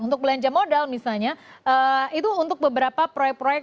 untuk belanja modal misalnya itu untuk beberapa proyek proyek